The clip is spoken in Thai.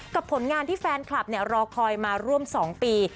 ผลงานที่แฟนคลับรอคอยมาร่วม๒ปี